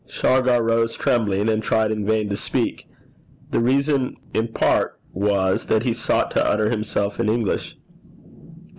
Shargar rose trembling, and tried in vain to speak. The reason in part was, that he sought to utter himself in English.